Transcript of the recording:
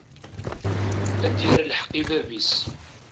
Ad d-yerr lḥeq i bab-is.